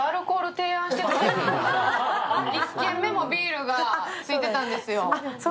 １軒目もビールが付いてたんですよ。